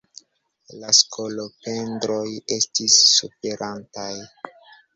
Ia skolopendroj estis suferantaj.